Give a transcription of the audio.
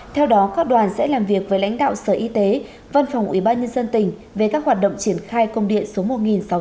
theo đó các đoàn sẽ làm việc với lãnh đạo sở y tế văn phòng ubnd tỉnh về các hoạt động triển khai công điện số một nghìn sáu trăm sáu mươi